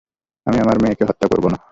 আমি আমার মেয়েকে হত্যা করব না।